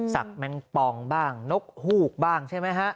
ศากมันปองบ้างนกหลุกบ้างใช่ไหมฮะ